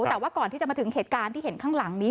แต่ว่าก่อนที่จะมาถึงเหตุการณ์ที่เห็นข้างหลังนี้